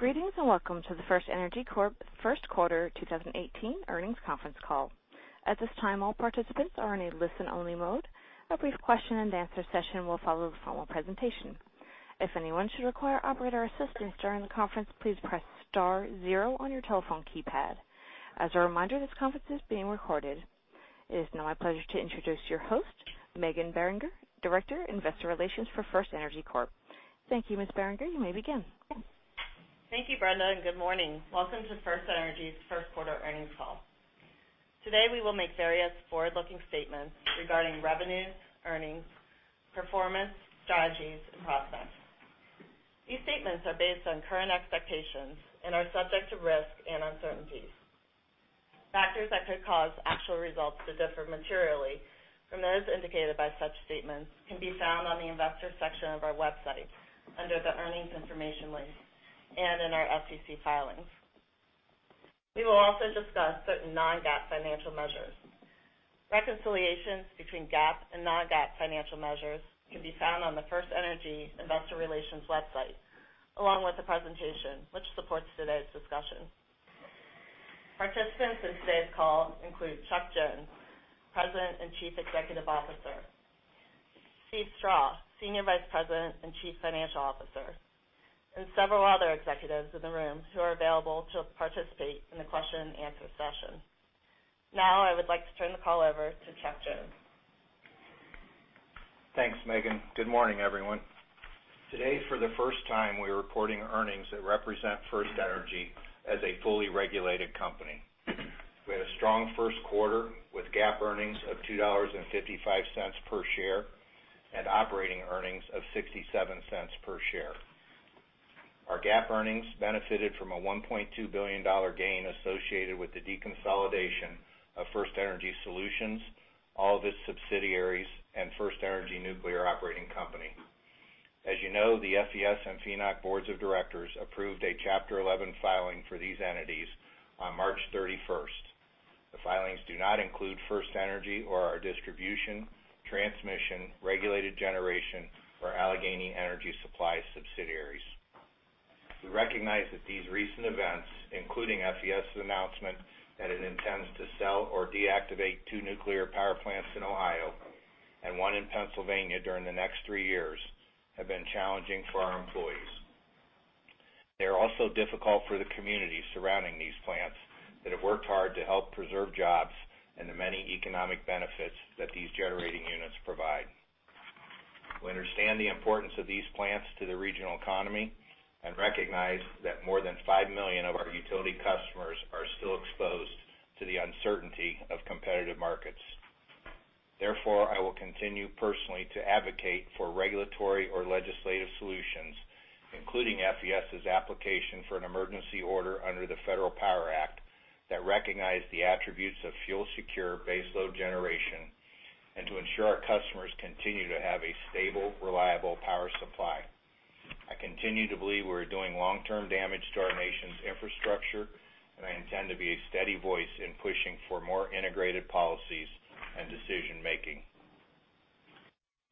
Greetings, welcome to the FirstEnergy Corp. First Quarter 2018 earnings conference call. At this time, all participants are in a listen-only mode. A brief question-and-answer session will follow the formal presentation. If anyone should require operator assistance during the conference, please press star 0 on your telephone keypad. As a reminder, this conference is being recorded. It is now my pleasure to introduce your host, Meghan Beringer, Director, Investor Relations for FirstEnergy Corp. Thank you, Ms. Beringer. You may begin. Thank you, Brenda, good morning. Welcome to FirstEnergy's first quarter earnings call. Today, we will make various forward-looking statements regarding revenues, earnings, performance, strategies, and prospects. These statements are based on current expectations and are subject to risks and uncertainties. Factors that could cause actual results to differ materially from those indicated by such statements can be found on the investor section of our website under the earnings information link and in our SEC filings. We will also discuss certain non-GAAP financial measures. Reconciliations between GAAP and non-GAAP financial measures can be found on the FirstEnergy investor relations website, along with the presentation, which supports today's discussion. Participants in today's call include Chuck Jones, President and Chief Executive Officer; Steve Staub, Senior Vice President and Chief Financial Officer; and several other executives in the room who are available to participate in the question-and-answer session. I would like to turn the call over to Chuck Jones. Thanks, Meghan. Good morning, everyone. Today, for the first time, we are reporting earnings that represent FirstEnergy as a fully regulated company. We had a strong first quarter with GAAP earnings of $2.55 per share and operating earnings of $0.67 per share. Our GAAP earnings benefited from a $1.2 billion gain associated with the deconsolidation of FirstEnergy Solutions, all of its subsidiaries, and FirstEnergy Nuclear Operating Company. As you know, the FES and FNOC boards of directors approved a Chapter 11 filing for these entities on March 31. The filings do not include FirstEnergy or our distribution, transmission, regulated generation, or Allegheny Energy Supply subsidiaries. We recognize that these recent events, including FES's announcement that it intends to sell or deactivate two nuclear power plants in Ohio and one in Pennsylvania during the next three years, have been challenging for our employees. They are also difficult for the communities surrounding these plants that have worked hard to help preserve jobs and the many economic benefits that these generating units provide. We understand the importance of these plants to the regional economy and recognize that more than 5 million of our utility customers are still exposed to the uncertainty of competitive markets. I will continue personally to advocate for regulatory or legislative solutions, including FES's application for an emergency order under the Federal Power Act, that recognize the attributes of fuel-secure baseload generation and to ensure our customers continue to have a stable, reliable power supply. I continue to believe we're doing long-term damage to our nation's infrastructure, I intend to be a steady voice in pushing for more integrated policies and decision-making.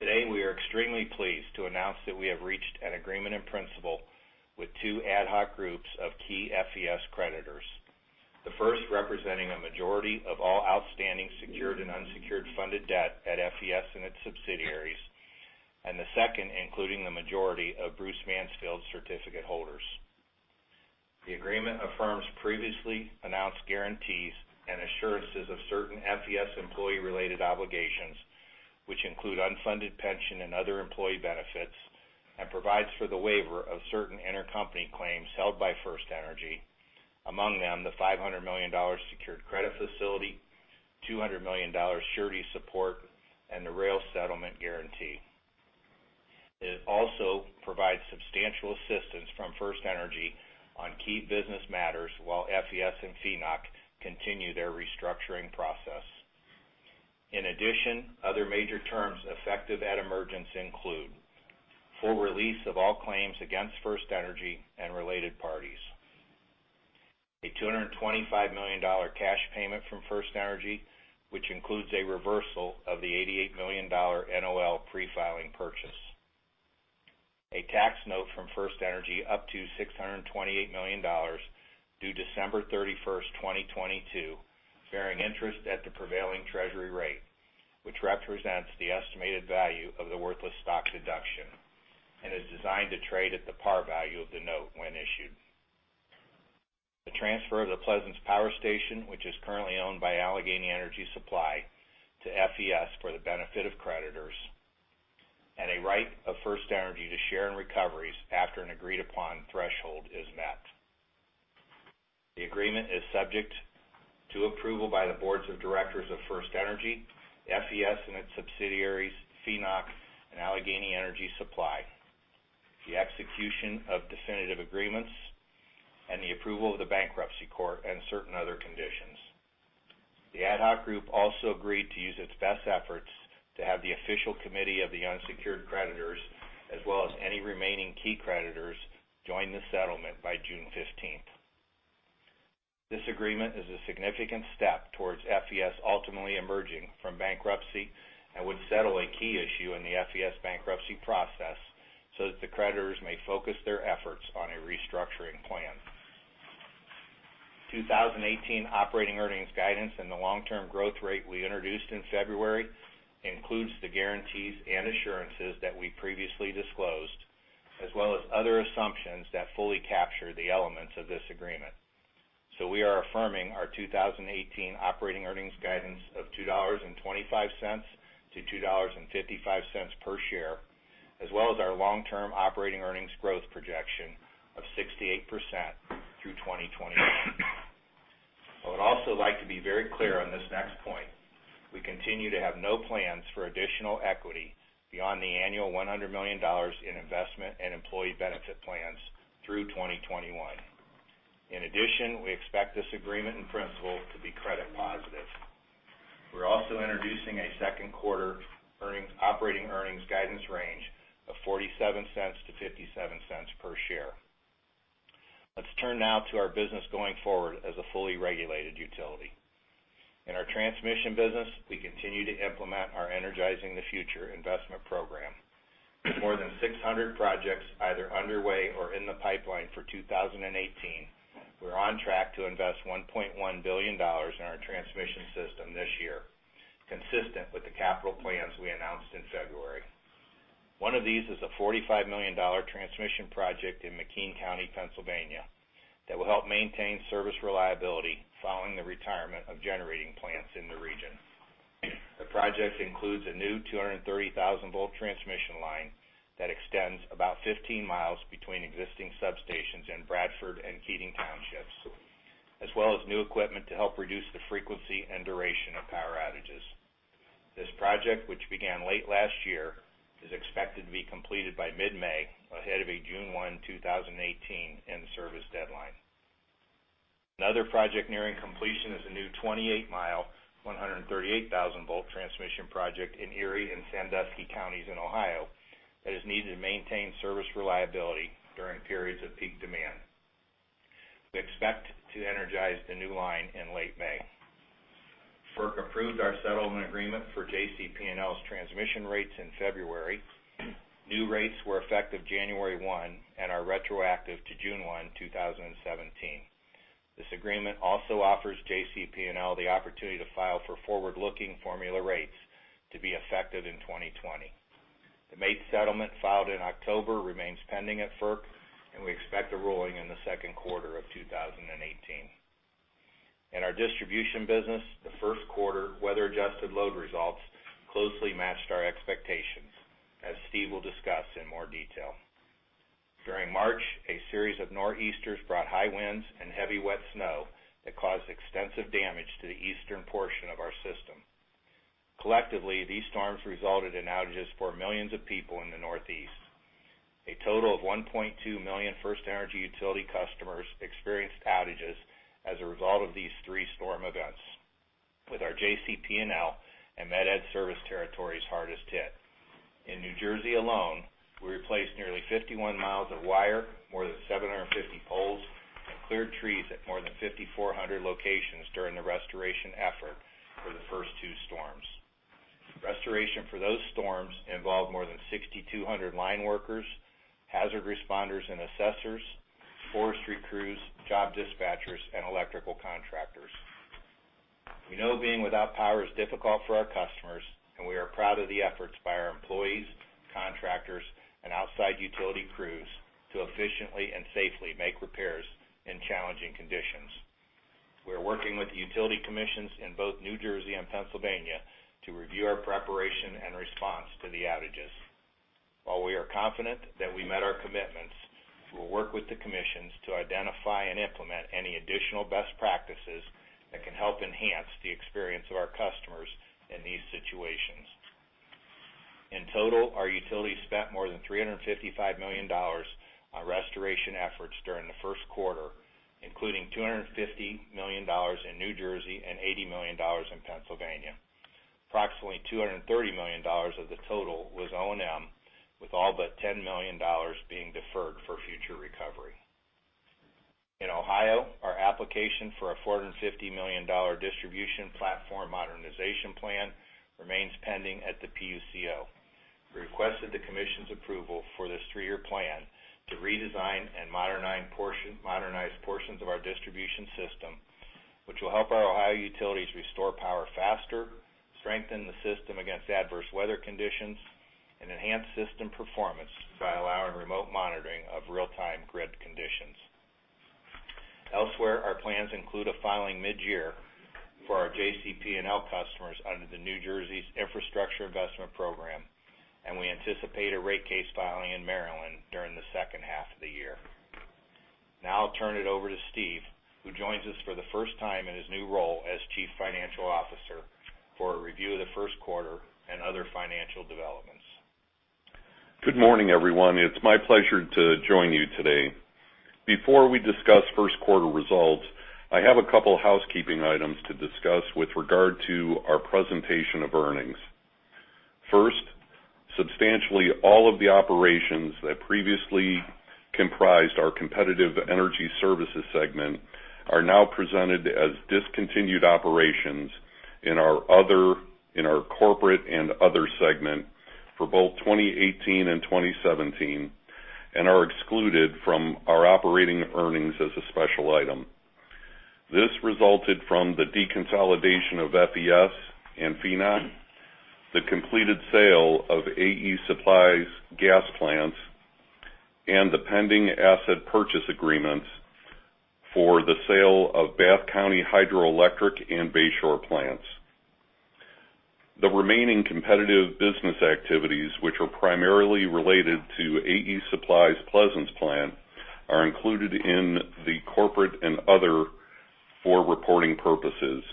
Today, we are extremely pleased to announce that we have reached an agreement in principle with two ad hoc groups of key FES creditors, the first representing a majority of all outstanding secured and unsecured funded debt at FES and its subsidiaries, and the second including the majority of Bruce Mansfield certificate holders. The agreement affirms previously announced guarantees and assurances of certain FES employee-related obligations, which include unfunded pension and other employee benefits, and provides for the waiver of certain intercompany claims held by FirstEnergy. Among them, the $500 million secured credit facility, $200 million surety support, and the rail settlement guarantee. It also provides substantial assistance from FirstEnergy on key business matters while FES and FNOC continue their restructuring process. Other major terms effective at emergence include full release of all claims against FirstEnergy and related parties. A $225 million cash payment from FirstEnergy, which includes a reversal of the $88 million NOL pre-filing purchase. A tax note from FirstEnergy up to $628 million due December 31st, 2022, bearing interest at the prevailing Treasury rate, which represents the estimated value of the worthless stock deduction and is designed to trade at the par value of the note when issued. The transfer of the Pleasants Power Station, which is currently owned by Allegheny Energy Supply, to FES for the benefit of creditors, a right of FirstEnergy to share in recoveries after an agreed-upon threshold is met. The agreement is subject to approval by the boards of directors of FirstEnergy, FES, and its subsidiaries, FNOC, and Allegheny Energy Supply, the execution of definitive agreements, and the approval of the bankruptcy court and certain other conditions. The ad hoc group also agreed to use its best efforts to have the official committee of the unsecured creditors, as well as any remaining key creditors, join the settlement by June 15th. This agreement is a significant step towards FES ultimately emerging from bankruptcy and would settle a key issue in the FES bankruptcy process so that the creditors may focus their efforts on a restructuring plan. 2018 operating earnings guidance and the long-term growth rate we introduced in February includes the guarantees and assurances that we previously disclosed, as well as other assumptions that fully capture the elements of this agreement. We are affirming our 2018 operating earnings guidance of $2.25-$2.55 per share, as well as our long-term operating earnings growth projection of 6% to 8% through 2021. I would also like to be very clear on this next point. We continue to have no plans for additional equity beyond the annual $100 million in investment and employee benefit plans through 2021. In addition, we expect this agreement, in principle, to be credit positive. We're also introducing a second quarter operating earnings guidance range of $0.47 to $0.57 per share. Let's turn now to our business going forward as a fully regulated utility. In our transmission business, we continue to implement our Energizing the Future investment program. With more than 600 projects either underway or in the pipeline for 2018, we're on track to invest $1.1 billion in our transmission system this year, consistent with the capital plans we announced in February. One of these is a $45 million transmission project in McKean County, Pennsylvania, that will help maintain service reliability following the retirement of generating plants in the region. The project includes a new 230,000-volt transmission line that extends about 15 miles between existing substations in Bradford and Keating Townships, as well as new equipment to help reduce the frequency and duration of power outages. This project, which began late last year, is expected to be completed by mid-May, ahead of a June 1, 2018 in-service deadline. Another project nearing completion is a new 28-mile, 138,000-volt transmission project in Erie and Sandusky Counties in Ohio that is needed to maintain service reliability during periods of peak demand. We expect to energize the new line in late May. FERC approved our settlement agreement for JCP&L's transmission rates in February. New rates were effective January 1 and are retroactive to June 1, 2017. This agreement also offers JCP&L the opportunity to file for forward-looking formula rates to be effective in 2020. The MAIT settlement filed in October remains pending at FERC, and we expect a ruling in the second quarter of 2018. In our distribution business, the first quarter weather-adjusted load results closely matched our expectations, as Steve will discuss in more detail. During March, a series of nor'easters brought high winds and heavy wet snow that caused extensive damage to the eastern portion of our system. Collectively, these storms resulted in outages for millions of people in the Northeast. A total of 1.2 million FirstEnergy utility customers experienced outages as a result of these three storm events, with our JCP&L and Met-Ed service territories hardest hit. In New Jersey alone, we replaced nearly 51 miles of wire, more than 750 poles, and cleared trees at more than 5,400 locations during the restoration effort for the first two storms. Restoration for those storms involved more than 6,200 line workers, hazard responders and assessors, forestry crews, job dispatchers, and electrical contractors. We know being without power is difficult for our customers, and we are proud of the efforts by our employees, contractors, and outside utility crews to efficiently and safely make repairs in challenging conditions. We are working with the utility commissions in both New Jersey and Pennsylvania to review our preparation and response to the outages. While we are confident that we met our commitments, we will work with the commissions to identify and implement any additional best practices that can help enhance the experience of our customers in these situations. In total, our utilities spent more than $355 million on restoration efforts during the first quarter, including $250 million in New Jersey and $80 million in Pennsylvania. Approximately $230 million of the total was O&M, with all but $10 million being deferred for future recovery. In Ohio, our application for a $450 million Distribution Platform Modernization Plan remains pending at the PUCO. We requested the commission's approval for this three-year plan to redesign and modernize portions of our distribution system, which will help our Ohio utilities restore power faster, strengthen the system against adverse weather conditions, and enhance system performance by allowing remote monitoring of real-time grid conditions. Elsewhere, our plans include a filing mid-year for our JCP&L customers under the New Jersey's Infrastructure Investment Program, and we anticipate a rate case filing in Maryland during the second half of the year. Now I'll turn it over to Steve, who joins us for the first time in his new role as Chief Financial Officer for a review of the first quarter and other financial developments. Good morning, everyone. It's my pleasure to join you today. Before we discuss first quarter results, I have a couple housekeeping items to discuss with regard to our presentation of earnings. First, substantially all of the operations that previously comprised our Competitive Energy Services Segment are now presented as discontinued operations in our Corporate and Other Segment for both 2018 and 2017 and are excluded from our operating earnings as a special item. This resulted from the deconsolidation of FES and FNOC, the completed sale of AE Supply's gas plants, and the pending asset purchase agreements for the sale of Bath County Hydroelectric and Bay Shore plants. The remaining competitive business activities, which are primarily related to AE Supply's Pleasants Plant, are included in the Corporate and Other for reporting purposes.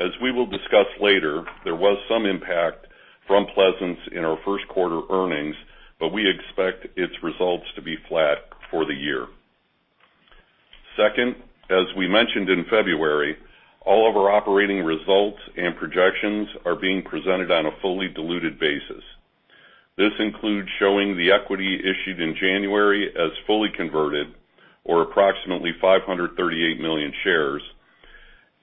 As we will discuss later, there was some impact from Pleasants in our first quarter earnings, but we expect its results to be flat for the year. Second, as we mentioned in February, all of our operating results and projections are being presented on a fully diluted basis. This includes showing the equity issued in January as fully converted, or approximately 538 million shares,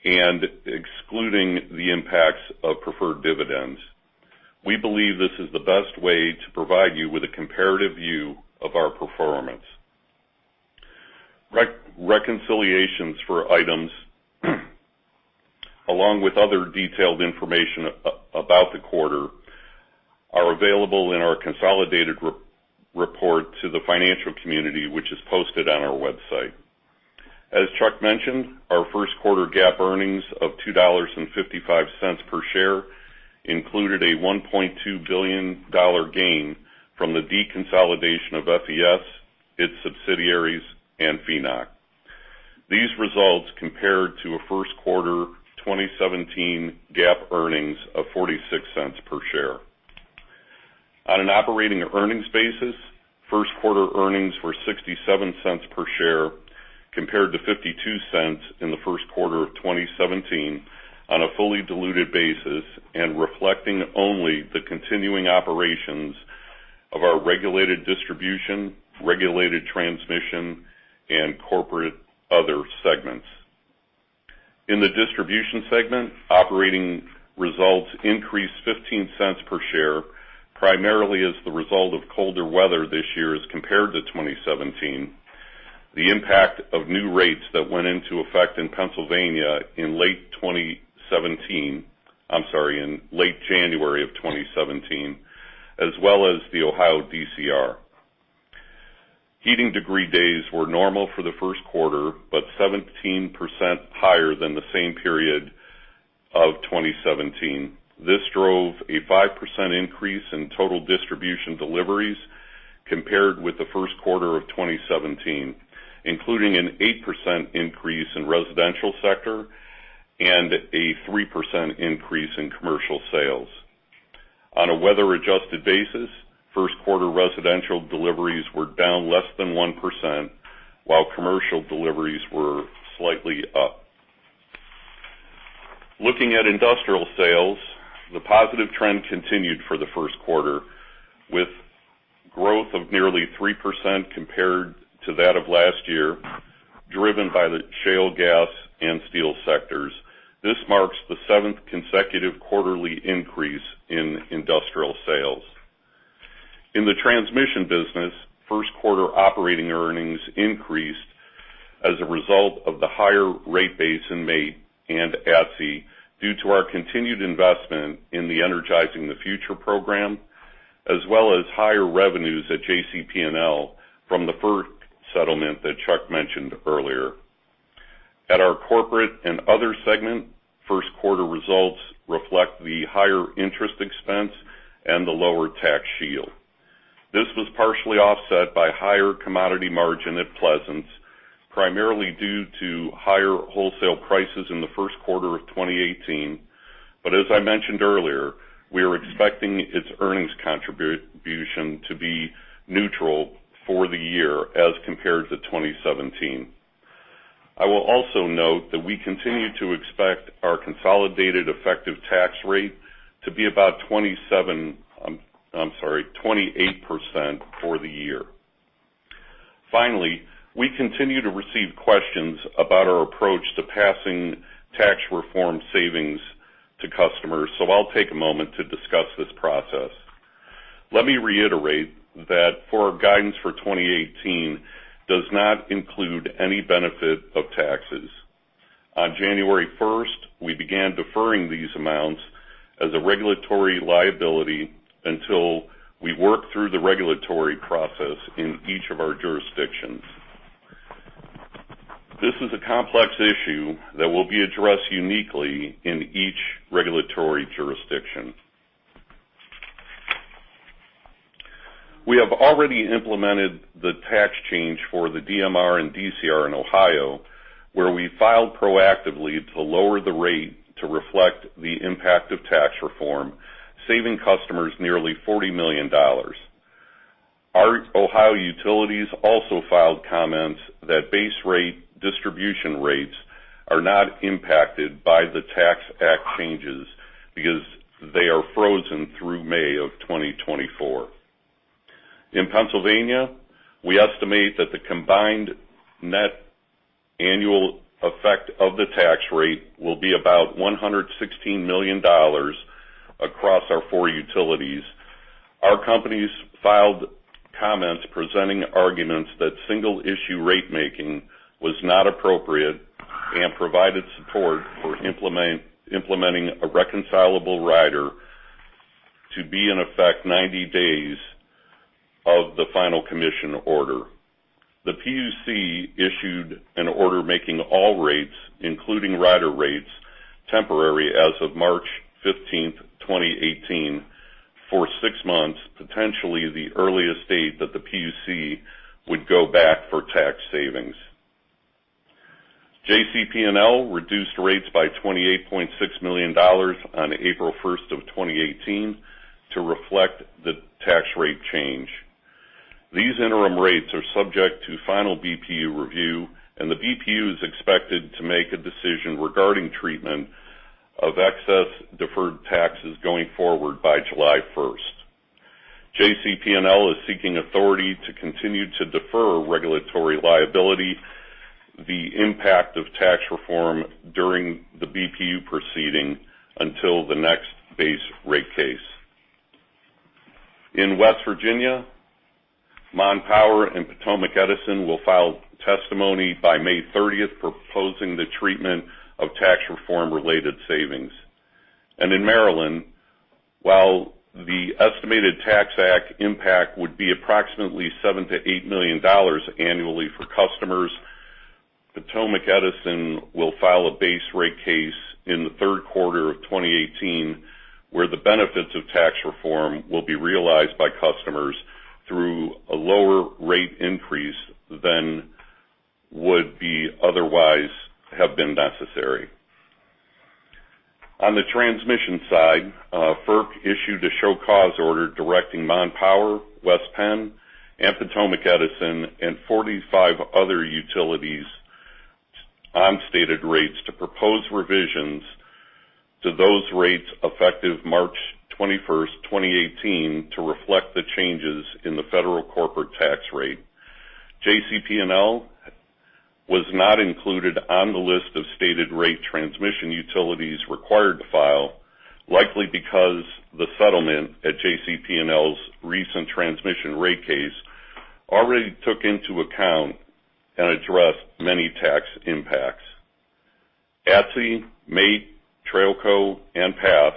and excluding the impacts of preferred dividends. We believe this is the best way to provide you with a comparative view of our performance. Reconciliations for items, along with other detailed information about the quarter, are available in our consolidated report to the financial community, which is posted on our website. As Chuck mentioned, our first quarter GAAP earnings of $2.55 per share included a $1.2 billion gain from the deconsolidation of FES, its subsidiaries, and FNOC. These results compared to a first quarter 2017 GAAP earnings of $0.46 per share. On an operating earnings basis, first quarter earnings were $0.67 per share compared to $0.52 in the first quarter of 2017 on a fully diluted basis, and reflecting only the continuing operations of our Regulated Distribution, Regulated Transmission, and Corporate Other Segments. In the Distribution Segment, operating results increased $0.15 per share, primarily as the result of colder weather this year as compared to 2017, the impact of new rates that went into effect in Pennsylvania in late 2017. I'm sorry, in late January of 2017, as well as the Ohio DCR. Heating degree days were normal for the first quarter, but 17% higher than the same period of 2017. This drove a 5% increase in total distribution deliveries compared with the first quarter of 2017, including an 8% increase in residential sector and a 3% increase in commercial sales. On a weather-adjusted basis, first quarter residential deliveries were down less than 1%, while commercial deliveries were slightly up. Looking at industrial sales, the positive trend continued for the first quarter, with growth of nearly 3% compared to that of last year, driven by the shale gas and steel sectors. This marks the seventh consecutive quarterly increase in industrial sales. In the transmission business, first quarter operating earnings increased as a result of the higher rate base in MAIT and ATSI due to our continued investment in the Energizing the Future program, as well as higher revenues at JCP&L from the FERC settlement that Chuck mentioned earlier. At our corporate and other segment, first quarter results reflect the higher interest expense and the lower tax shield. As I mentioned earlier, we are expecting its earnings contribution to be neutral for the year as compared to 2017. I will also note that we continue to expect our consolidated effective tax rate to be about 27, I'm sorry, 28% for the year. Finally, we continue to receive questions about our approach to passing tax reform savings to customers, so I'll take a moment to discuss this process. Let me reiterate that for our guidance for 2018 does not include any benefit of taxes. On January 1st, we began deferring these amounts as a regulatory liability until we work through the regulatory process in each of our jurisdictions. This is a complex issue that will be addressed uniquely in each regulatory jurisdiction. We have already implemented the tax change for the DMR and DCR in Ohio, where we filed proactively to lower the rate to reflect the impact of tax reform, saving customers nearly $40 million. Our Ohio utilities also filed comments that base rate distribution rates are not impacted by the tax act changes because they are frozen through May of 2024. In Pennsylvania, we estimate that the combined net annual effect of the tax rate will be about $116 million across our four utilities. Our companies filed comments presenting arguments that single-issue rate making was not appropriate and provided support for implementing a reconcilable rider to be in effect 90 days of the final commission order. The PUC issued an order making all rates, including rider rates, temporary as of March 15th, 2018, for six months, potentially the earliest date that the PUC would go back for tax savings. JCP&L reduced rates by $28.6 million on April 1st of 2018 to reflect the tax rate change. These interim rates are subject to final BPU review, and the BPU is expected to make a decision regarding treatment of excess deferred taxes going forward by July 1st. JCP&L is seeking authority to continue to defer regulatory liability, the impact of tax reform during the BPU proceeding until the next base rate case. In West Virginia, Mon Power and Potomac Edison will file testimony by May 30th proposing the treatment of tax reform-related savings. In Maryland, while the estimated Tax Act impact would be approximately $7 million-$8 million annually for customers, Potomac Edison will file a base rate case in the third quarter of 2018, where the benefits of tax reform will be realized by customers through a lower rate increase than would be otherwise have been necessary. On the transmission side, FERC issued a show cause order directing Mon Power, West Penn, and Potomac Edison, and 45 other utilities on stated rates to propose revisions to those rates effective March 21st, 2018, to reflect the changes in the federal corporate tax rate. JCP&L was not included on the list of stated rate transmission utilities required to file, likely because the settlement at JCP&L's recent transmission rate case already took into account and addressed many tax impacts. ATSI, MAIT, TrailCo, and PATH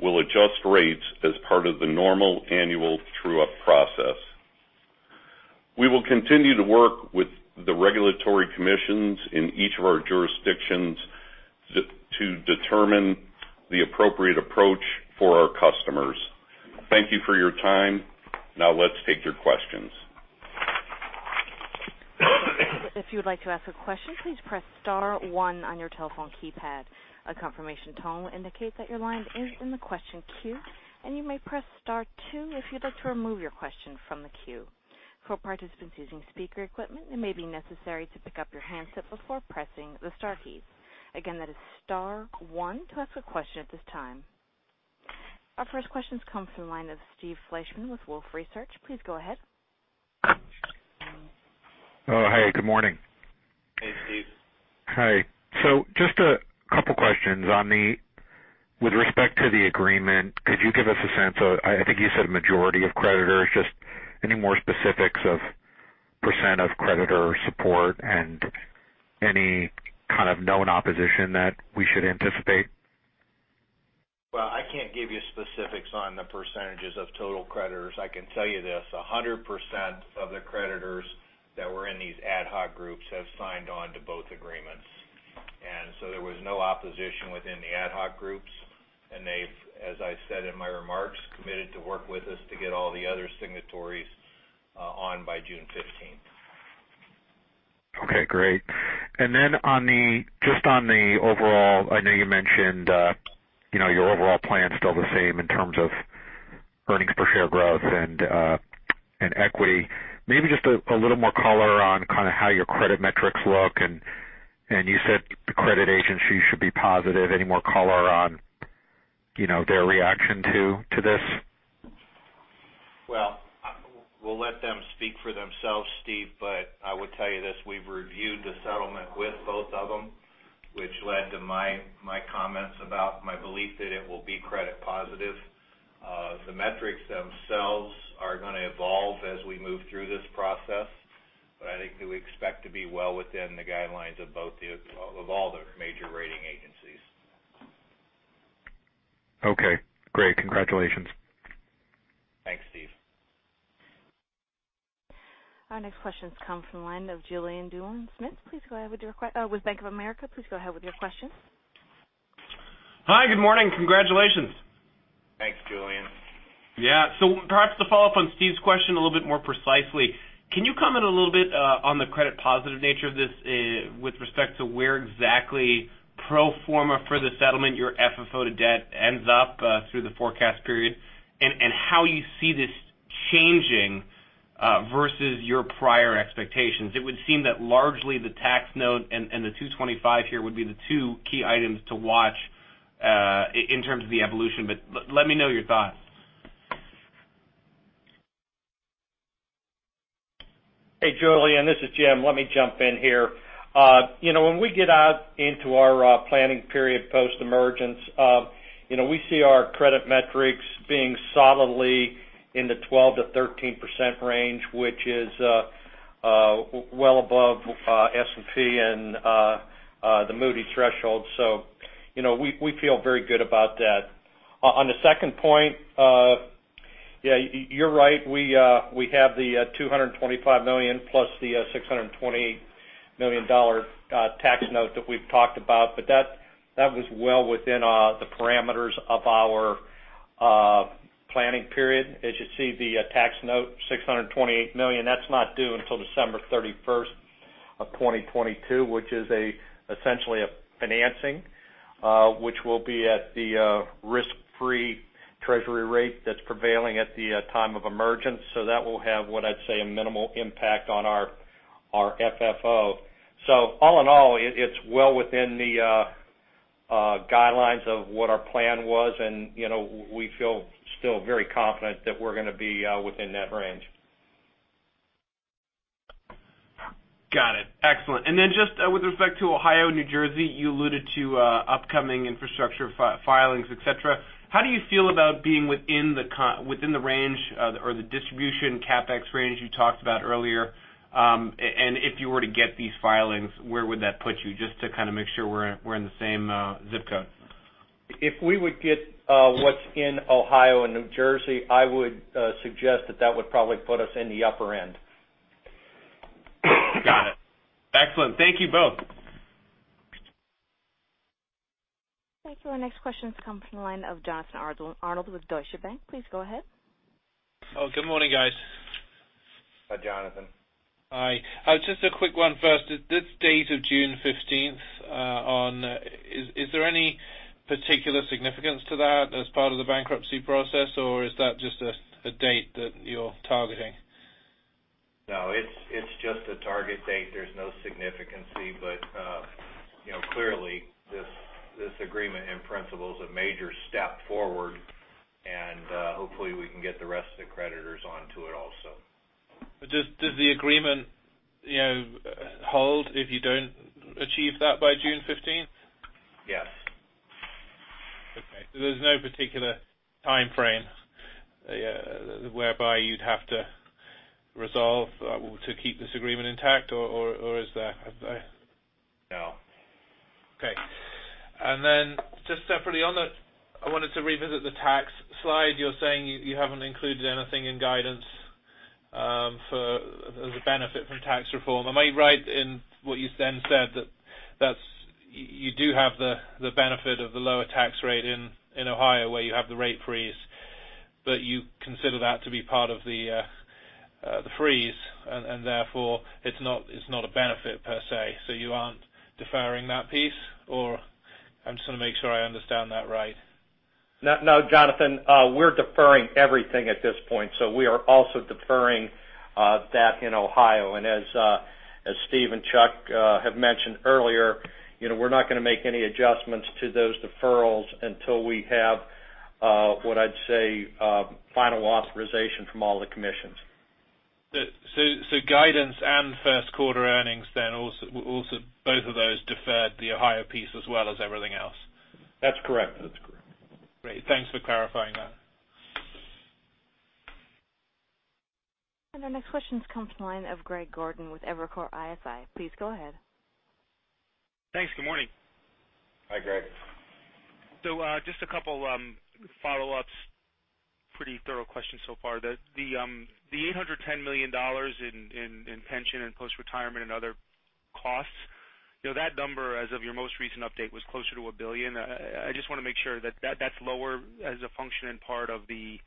will adjust rates as part of the normal annual true-up process. We will continue to work with the regulatory commissions in each of our jurisdictions to determine the appropriate approach for our customers. Thank you for your time. Let's take your questions. If you would like to ask a question, please press star one on your telephone keypad. A confirmation tone will indicate that your line is in the question queue, and you may press star two if you'd like to remove your question from the queue. For participants using speaker equipment, it may be necessary to pick up your handset before pressing the star key. Again, that is star one to ask a question at this time. Our first question comes from the line of Steve Fleishman with Wolfe Research. Please go ahead. Oh, hey, good morning. Hey, Steve. Hi. Just a couple of questions. With respect to the agreement, could you give us a sense of, I think you said a majority of creditors, just any more specifics of % of creditor support and any kind of known opposition that we should anticipate? I can't give you specifics on the percentages of total creditors. I can tell you this: 100% of the creditors that were in these ad hoc groups have signed on to both agreements. There was no opposition within the ad hoc groups. They've, as I said in my remarks, committed to work with us to get all the other signatories on by June 15th. Okay, great. Just on the overall, I know you mentioned your overall plan is still the same in terms of earnings per share growth and equity. Maybe just a little more color on how your credit metrics look, and you said the credit agencies should be positive. Any more color on their reaction to this? We'll let them speak for themselves, Steve, but I would tell you this, we've reviewed the settlement with both of them, which led to my comments about my belief that it will be credit positive. The metrics themselves are going to evolve as we move through this process, but I think that we expect to be well within the guidelines of all the major rating agencies. Okay, great. Congratulations. Thanks, Steve. Our next question comes from the line of Julien Dumoulin-Smith with Bank of America. Please go ahead with your question. Hi, good morning. Congratulations. Thanks, Julien. Perhaps to follow up on Steve's question a little bit more precisely, can you comment a little bit on the credit positive nature of this with respect to where exactly pro forma for the settlement your FFO to debt ends up through the forecast period, and how you see this changing versus your prior expectations. It would seem that largely the tax note and the 225 here would be the two key items to watch in terms of the evolution, let me know your thoughts. Hey, Julien, this is Jim. Let me jump in here. When we get out into our planning period post-emergence, we see our credit metrics being solidly in the 12%-13% range, which is well above S&P and the Moody's threshold. We feel very good about that. On the second point, you're right. We have the $225 million plus the $628 million tax note that we've talked about. That was well within the parameters of our planning period. As you see, the tax note, $628 million, that's not due until December 31st of 2022, which is essentially a financing, which will be at the risk-free treasury rate that's prevailing at the time of emergence. That will have, what I'd say, a minimal impact on our FFO. All in all, it's well within the guidelines of what our plan was, and we feel still very confident that we're going to be within that range. Got it. Excellent. Then just with respect to Ohio and New Jersey, you alluded to upcoming infrastructure filings, et cetera. How do you feel about being within the range or the distribution CapEx range you talked about earlier? If you were to get these filings, where would that put you? Just to make sure we're in the same zip code. If we would get what's in Ohio and New Jersey, I would suggest that that would probably put us in the upper end. Got it. Excellent. Thank you both. Thank you. Our next question comes from the line of Jonathan Arnold with Deutsche Bank. Please go ahead. Oh, good morning, guys. Hi, Jonathan. Hi. Just a quick one first. This date of June 15th, is there any particular significance to that as part of the bankruptcy process, or is that just a date that you're targeting? No, it's just a target date. There's no significance, clearly, this agreement in principle is a major step forward, hopefully, we can get the rest of the creditors onto it also. Does the agreement hold if you don't achieve that by June 15th? Yes. Okay. There's no particular timeframe whereby you'd have to resolve to keep this agreement intact, or is there? No. Okay. Just separately on that, I wanted to revisit the tax slide. You're saying you haven't included anything in guidance for the benefit from tax reform. Am I right in what you then said that you do have the benefit of the lower tax rate in Ohio, where you have the rate freeze, you consider that to be part of the freeze and therefore it's not a benefit per se, you aren't deferring that piece? I'm just going to make sure I understand that right. No, Jonathan, we're deferring everything at this point. We are also deferring that in Ohio. As Steve and Chuck have mentioned earlier, we're not going to make any adjustments to those deferrals until we have, what I'd say, final authorization from all the commissions. Guidance and first quarter earnings then, both of those deferred the Ohio piece as well as everything else? That's correct. That's correct. Great. Thanks for clarifying that. Our next question comes from the line of Greg Gordon with Evercore ISI. Please go ahead. Thanks. Good morning. Hi, Greg. Just a couple follow-ups. Pretty thorough questions so far. The $810 million in pension and post-retirement and other costs, that number as of your most recent update was closer to $1 billion. I just want to make sure that's lower as a function and part of the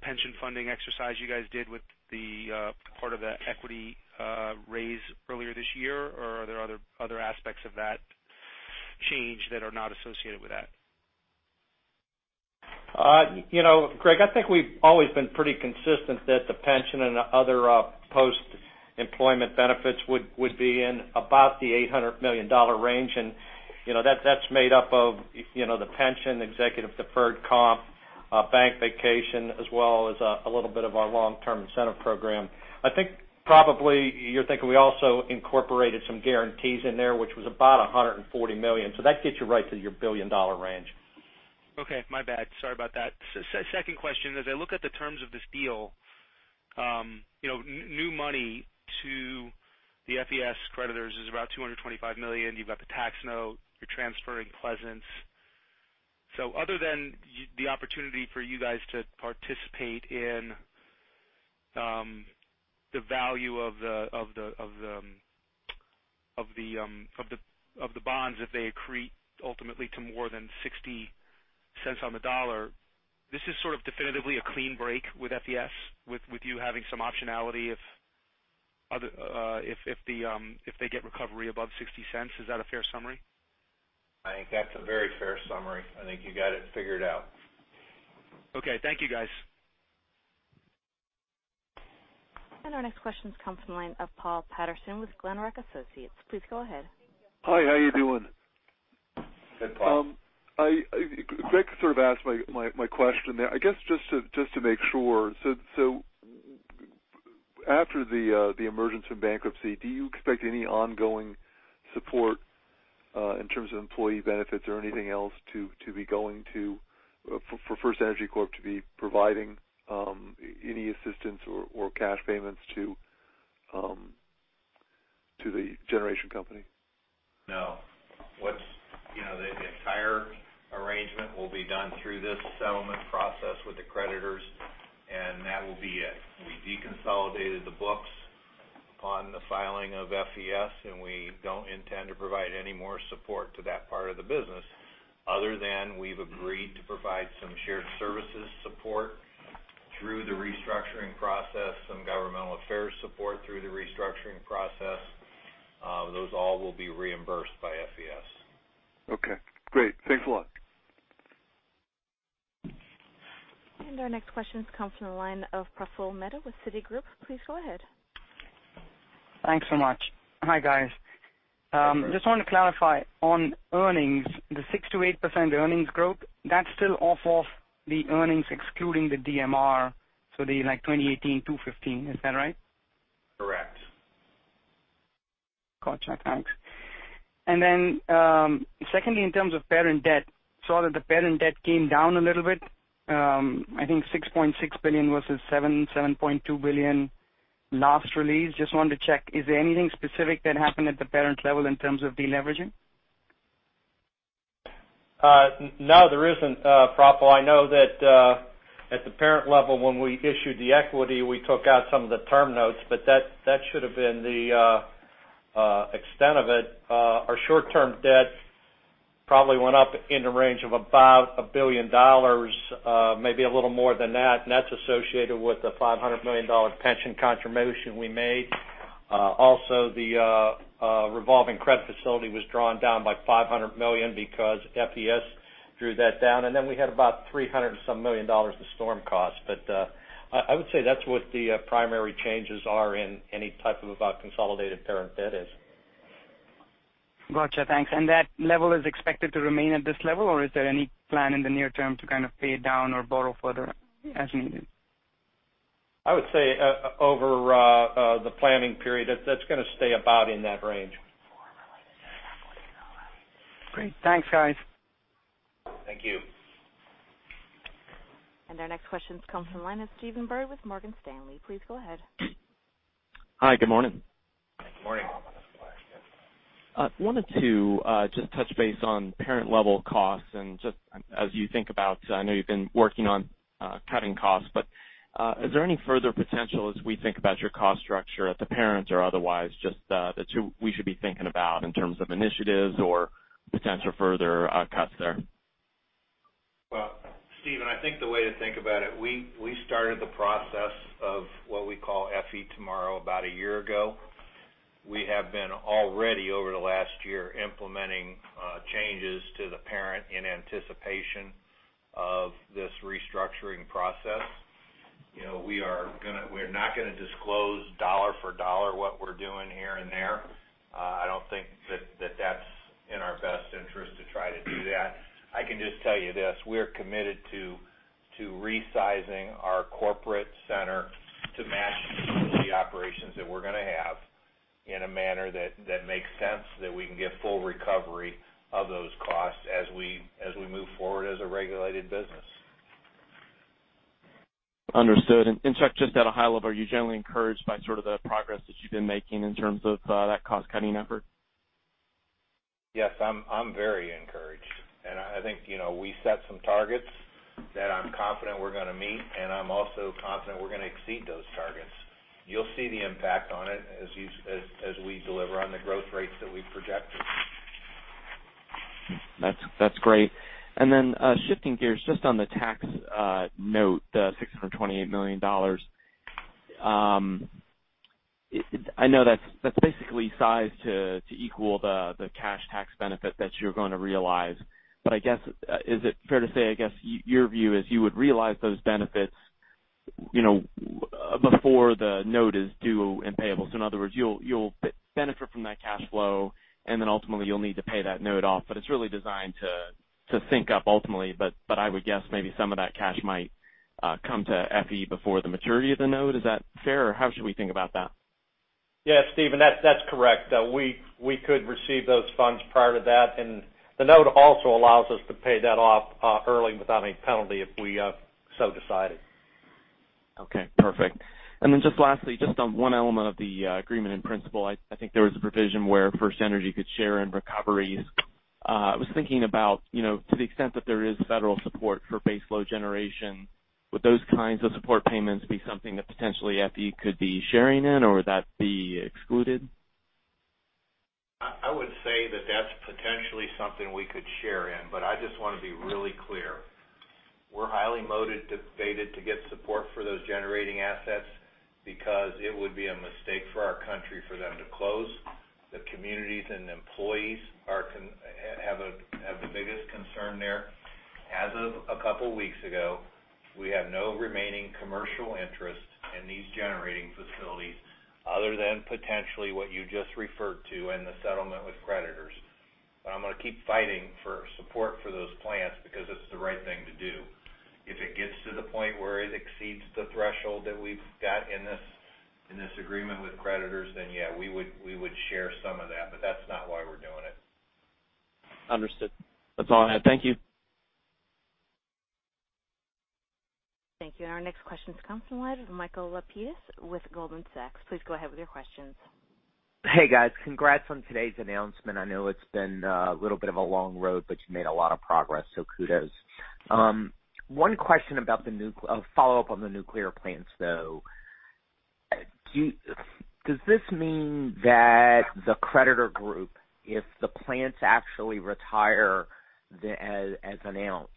pension funding exercise you guys did with the part of the equity raise earlier this year, or are there other aspects of that change that are not associated with that? Greg, I think we've always been pretty consistent that the pension and other post-employment benefits would be in about the $800 million range, and that's made up of the pension, executive deferred comp, bank vacation, as well as a little bit of our long-term incentive program. I think probably you're thinking we also incorporated some guarantees in there, which was about $140 million. That gets you right to your $1 billion range. Okay. My bad. Sorry about that. Second question. As I look at the terms of this deal, new money to the FES creditors is about $225 million. You've got the tax note. You're transferring Pleasants. Other than the opportunity for you guys to participate in the value of the bonds, if they accrete ultimately to more than $0.60 on the dollar, this is sort of definitively a clean break with FES, with you having some optionality if they get recovery above $0.60. Is that a fair summary? I think that's a very fair summary. I think you got it figured out. Okay. Thank you, guys. Our next questions come from the line of Paul Patterson with Glenrock Associates. Please go ahead. Hi, how are you doing? Hey, Paul. Greg sort of asked my question there. I guess just to make sure, after the emergence from bankruptcy, do you expect any ongoing support in terms of employee benefits or anything else for FirstEnergy Corp. to be providing any assistance or cash payments to the generation company? No. The entire arrangement will be done through this settlement process with the creditors, that will be it. We deconsolidated the books on the filing of FES, we don't intend to provide any more support to that part of the business other than we've agreed to provide some shared services support through the restructuring process, some governmental affairs support through the restructuring process. Those all will be reimbursed by FES. Okay, great. Thanks a lot. Our next question comes from the line of Praful Mehta with Citigroup. Please go ahead. Thanks so much. Hi, guys. Hi. Just wanted to clarify on earnings, the 6%-8% earnings growth, that's still off of the earnings excluding the DMR, so the 2018, $215. Is that right? Correct. Gotcha. Thanks. Then, secondly, in terms of parent debt, saw that the parent debt came down a little bit. I think $6.6 billion versus $7.2 billion last release. Just wanted to check, is there anything specific that happened at the parent level in terms of de-leveraging? No, there isn't, Praful. I know that at the parent level, when we issued the equity, we took out some of the term notes, that should have been the extent of it. Our short-term debt probably went up in the range of about $1 billion, maybe a little more than that, and that's associated with the $500 million pension contribution we made. Also, the revolving credit facility was drawn down by $500 million because FES drew that down. Then we had about $300 and some million dollars of storm costs. I would say that's what the primary changes are in any type of consolidated parent debt is. Got you. Thanks. That level is expected to remain at this level, or is there any plan in the near term to kind of pay it down or borrow further as needed? I would say over the planning period, that's going to stay about in that range. Great. Thanks, guys. Thank you. Our next question comes from the line of Stephen Byrd with Morgan Stanley. Please go ahead. Hi. Good morning. Good morning. I wanted to just touch base on parent-level costs and just as you think about, I know you've been working on cutting costs, but is there any further potential as we think about your cost structure at the parent or otherwise, just the two we should be thinking about in terms of initiatives or potential further cuts there? Well, Stephen, I think the way to think about it, we started the process of what we call FE Tomorrow about a year ago. We have been already, over the last year, implementing changes to the parent in anticipation of this restructuring process. We're not going to disclose dollar for dollar what we're doing here and there. I don't think that that's in our best interest to try to do that. I can just tell you this. We're committed to resizing our corporate center to match the operations that we're going to have in a manner that makes sense, that we can get full recovery of those costs as we move forward as a regulated business. Understood. In fact, just at a high level, are you generally encouraged by sort of the progress that you've been making in terms of that cost-cutting effort? Yes, I'm very encouraged. I think we set some targets that I'm confident we're going to meet, I'm also confident we're going to exceed those targets. You'll see the impact on it as we deliver on the growth rates that we've projected. That's great. Then shifting gears, just on the tax note, the $628 million. I know that's basically sized to equal the cash tax benefit that you're going to realize. I guess, is it fair to say, I guess, your view is you would realize those benefits before the note is due and payable. In other words, you'll benefit from that cash flow, then ultimately you'll need to pay that note off, but it's really designed to sync up ultimately. I would guess maybe some of that cash might come to FE before the maturity of the note. Is that fair, or how should we think about that? Yes, Stephen, that's correct. We could receive those funds prior to that, and the note also allows us to pay that off early without any penalty if we so decided. Okay, perfect. Just lastly, just on one element of the agreement in principle, I think there was a provision where FirstEnergy could share in recoveries. I was thinking about to the extent that there is federal support for baseload generation, would those kinds of support payments be something that potentially FE could be sharing in, or would that be excluded? I would say that that's potentially something we could share in. I just want to be really clear. We're highly motivated to get support for those generating assets because it would be a mistake for our country for them to close. The communities and employees have the biggest concern there. As of a couple of weeks ago, we have no remaining commercial interest in these generating facilities other than potentially what you just referred to in the settlement with creditors. I'm going to keep fighting for support for those plants because it's the right thing to do. If it gets to the point where it exceeds the threshold that we've got in this agreement with creditors, yes, we would share some of that, but that's not why we're doing it. Understood. That's all I have. Thank you. Thank you. Our next question comes from the line of Michael Lapides with Goldman Sachs. Please go ahead with your questions. Hey, guys. Congrats on today's announcement. I know it's been a little bit of a long road, but you made a lot of progress, so kudos. One question about A follow-up on the nuclear plants, though. Does this mean that the creditor group, if the plants actually retire as announced,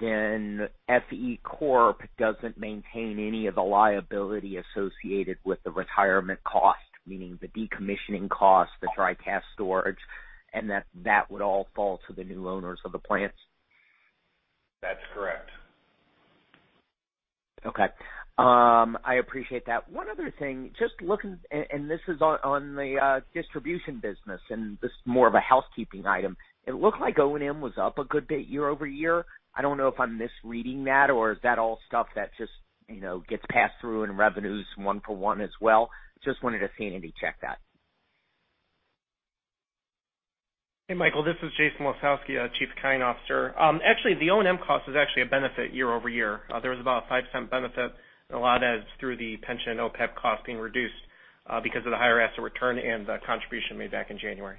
then FE Corp doesn't maintain any of the liability associated with the retirement cost, meaning the decommissioning cost, the dry cask storage, and that that would all fall to the new owners of the plants? That's correct. Okay. I appreciate that. One other thing. Just looking, this is on the distribution business, this is more of a housekeeping item. It looked like O&M was up a good bit year-over-year. I don't know if I'm misreading that, or is that all stuff that just gets passed through in revenues one for one as well? Just wanted to see if you could check that. Hey, Michael, this is Jason Wesoloski, Chief Accounting Officer. Actually, the O&M cost is actually a benefit year-over-year. There was about a $0.05 benefit, a lot of that is through the pension OPEB cost being reduced because of the higher asset return and the contribution made back in January.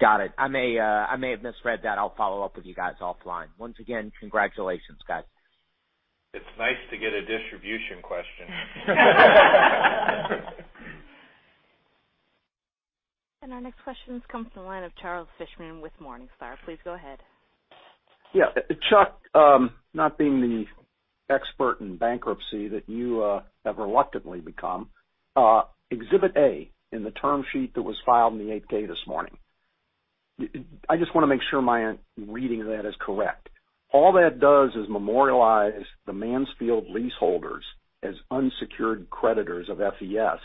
Got it. I may have misread that. I'll follow up with you guys offline. Once again, congratulations, guys. It's nice to get a distribution question. Our next question comes from the line of Charles Fishman with Morningstar. Please go ahead. Yeah. Chuck, not being the expert in bankruptcy that you have reluctantly become, Exhibit A in the term sheet that was filed in the 8-K this morning. I just want to make sure my reading of that is correct. All that does is memorialize the Mansfield leaseholders as unsecured creditors of FES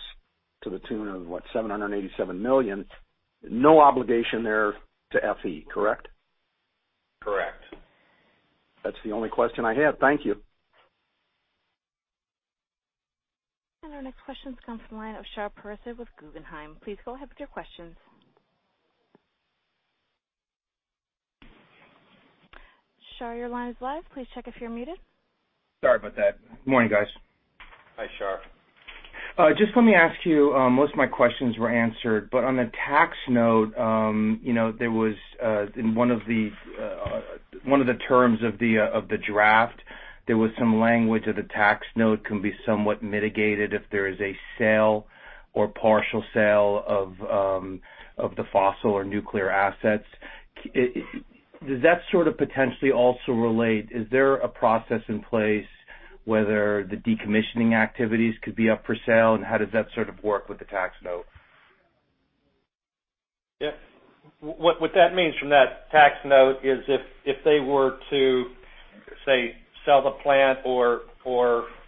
to the tune of, what, $787 million. No obligation there to FE, correct? Correct. That's the only question I have. Thank you. Our next question comes from the line of Shahriar Pourreza with Guggenheim. Please go ahead with your questions. Shar, your line is live. Please check if you're muted. Sorry about that. Morning, guys. Hi, Shar. Let me ask you, most of my questions were answered, but on a tax note, there was in one of the terms of the draft, there was some language that the tax note can be somewhat mitigated if there is a sale or partial sale of the fossil or nuclear assets. Does that sort of potentially also relate? Is there a process in place whether the decommissioning activities could be up for sale, and how does that sort of work with the tax note? What that means from that tax note is if they were to, say, sell the plant or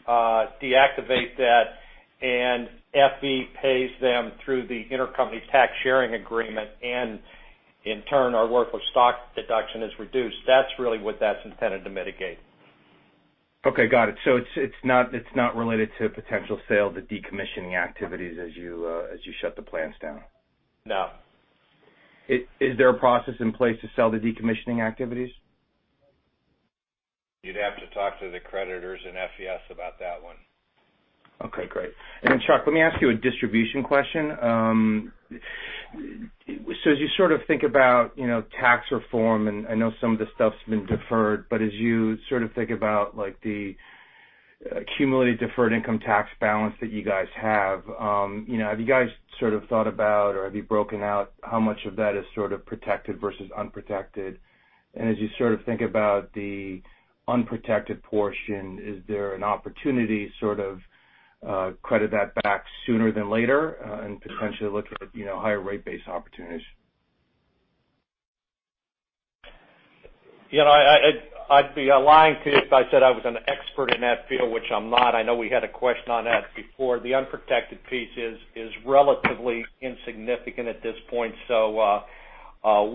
deactivate that and FE pays them through the intercompany tax sharing agreement, and in turn, our worthless stock deduction is reduced. That's really what that's intended to mitigate. Okay, got it. It's not related to a potential sale, the decommissioning activities as you shut the plants down. No. Is there a process in place to sell the decommissioning activities? You'd have to talk to the creditors and FES about that one. Okay, great. Chuck, let me ask you a distribution question. As you sort of think about tax reform, and I know some of the stuff's been deferred, but as you sort of think about the accumulated deferred income tax balance that you guys have you guys sort of thought about or have you broken out how much of that is sort of protected versus unprotected? As you sort of think about the unprotected portion, is there an opportunity to sort of credit that back sooner than later and potentially look at higher rate base opportunities? I'd be lying to you if I said I was an expert in that field, which I'm not. I know we had a question on that before. The unprotected piece is relatively insignificant at this point,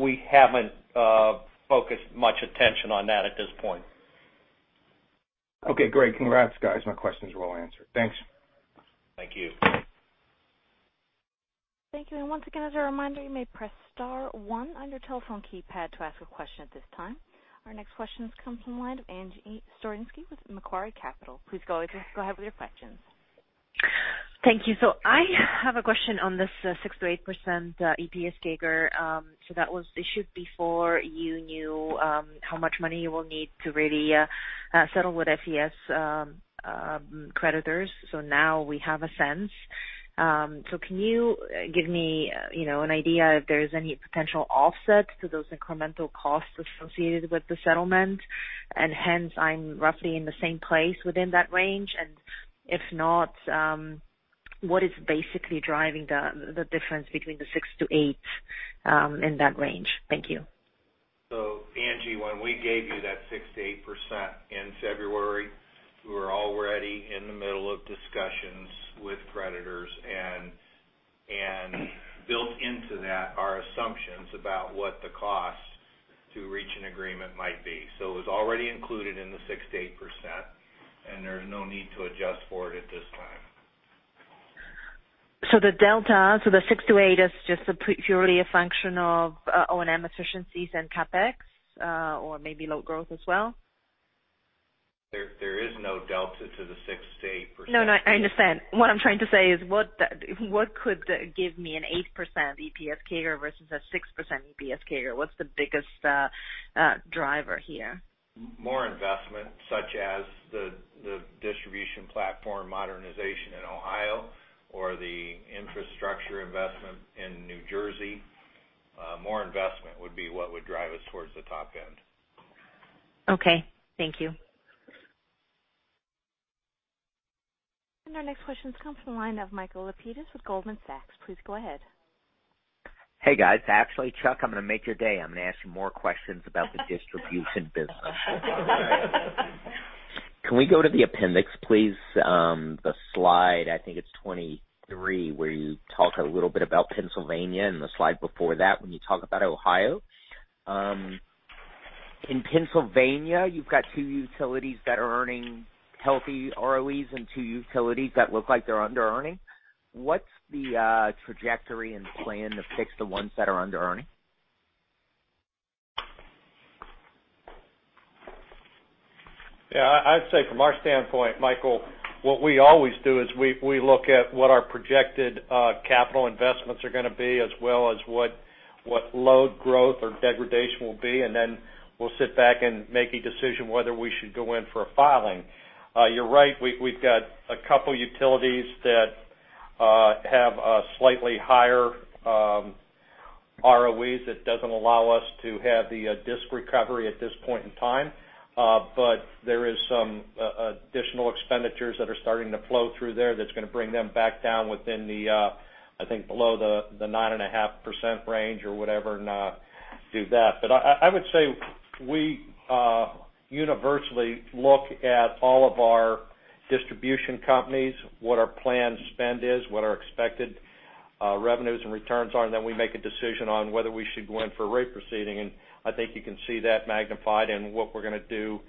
we haven't focused much attention on that at this point. Okay, great. Congrats, guys. My questions are all answered. Thanks. Thank you. Thank you. Once again, as a reminder, you may press star one on your telephone keypad to ask a question at this time. Our next question comes from the line of Angie Storozynski with Macquarie Capital. Please go ahead with your questions. Thank you. I have a question on this 6%-8% EPS CAGR. That was issued before you knew how much money you will need to really settle with FES creditors. Now we have a sense. Can you give me an idea if there's any potential offset to those incremental costs associated with the settlement? Hence, I'm roughly in the same place within that range. If not, what is basically driving the difference between the 6%-8% in that range? Thank you. Angie, when we gave you that 6%-8% in February, we were already in the middle of discussions with creditors, and built into that are assumptions about what the cost to reach an agreement might be. It was already included in the 6%-8%, and there's no need to adjust for it at this time. The delta, the 6%-8% is just purely a function of O&M efficiencies and CapEx, or maybe low growth as well? There is no delta to the 6%-8%. No, I understand. What I'm trying to say is what could give me an 8% EPS CAGR versus a 6% EPS CAGR? What's the biggest driver here? More investment, such as the distribution platform modernization in Ohio or the infrastructure investment in New Jersey. More investment would be what would drive us towards the top end. Okay. Thank you. Our next question comes from the line of Michael Lapides with Goldman Sachs. Please go ahead. Hey, guys. Actually, Chuck, I'm going to make your day. I'm going to ask you more questions about the distribution business. Can we go to the appendix, please? The slide, I think it's 23, where you talk a little bit about Pennsylvania, and the slide before that when you talk about Ohio. In Pennsylvania, you've got two utilities that are earning healthy ROEs and two utilities that look like they're under-earning. What's the trajectory and plan to fix the ones that are under-earning? Yeah, I'd say from our standpoint, Michael, what we always do is we look at what our projected capital investments are going to be, as well as what load growth or degradation will be, we'll sit back and make a decision whether we should go in for a filing. You're right, we've got a couple utilities that have a slightly higher ROEs that doesn't allow us to have the risk recovery at this point in time. There is some additional expenditures that are starting to flow through there that's going to bring them back down within the, I think below the 9.5% range or whatever, and do that. I would say we universally look at all of our distribution companies, what our planned spend is, what our expected revenues and returns are, we make a decision on whether we should go in for a rate proceeding. I think you can see that magnified in what we're going to do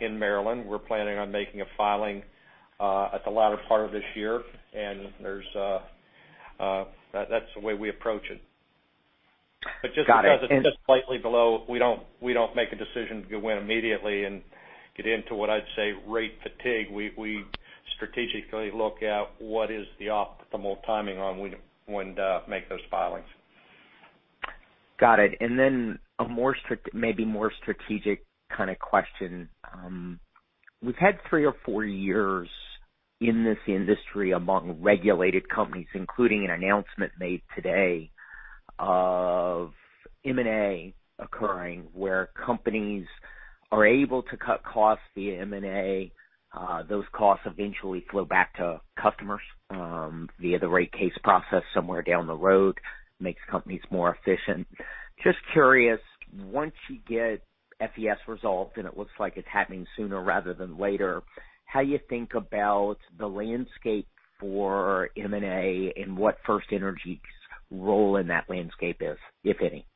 in Maryland. We're planning on making a filing at the latter part of this year, and that's the way we approach it. Got it. Just because it's just slightly below, we don't make a decision to go in immediately and get into what I'd say rate fatigue. We strategically look at what is the optimal timing on when to make those filings. Got it. Maybe more strategic kind of question. We've had three or four years in this industry among regulated companies, including an announcement made today of M&A occurring, where companies are able to cut costs via M&A. Those costs eventually flow back to customers via the rate case process somewhere down the road, makes companies more efficient. Just curious, once you get FES result, and it looks like it's happening sooner rather than later, how you think about the landscape for M&A and what FirstEnergy's role in that landscape is, if any?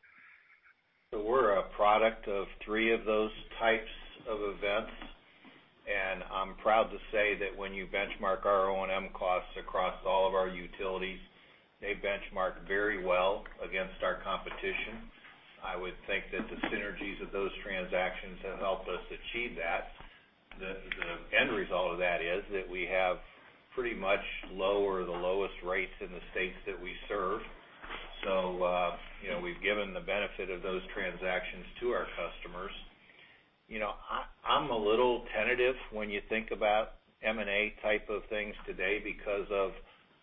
We're a product of three of those types of events, and I'm proud to say that when you benchmark our O&M costs across all of our utilities, they benchmark very well against our competition. I would think that the synergies of those transactions have helped us achieve that. The end result of that is that we have pretty much low or the lowest rates in the states that we serve. We've given the benefit of those transactions to our customers. I'm a little tentative when you think about M&A type of things today because of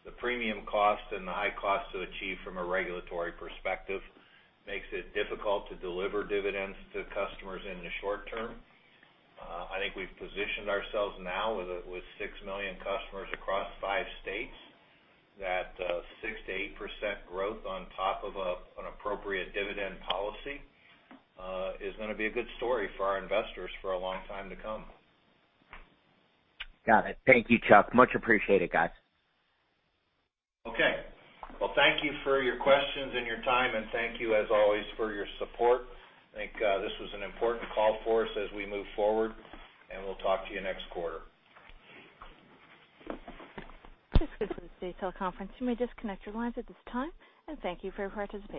the premium cost and the high cost to achieve from a regulatory perspective makes it difficult to deliver dividends to customers in the short term. I think we've positioned ourselves now with 6 million customers across five states, that 6%-8% growth on top of an appropriate dividend policy is going to be a good story for our investors for a long time to come. Got it. Thank you, Chuck. Much appreciated, guys. Okay. Well, thank you for your questions and your time. Thank you as always for your support. I think this was an important call for us as we move forward. We'll talk to you next quarter. This concludes today's teleconference. You may disconnect your lines at this time. Thank you for your participation.